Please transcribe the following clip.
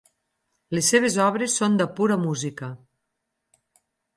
Les seves obres són de pura música.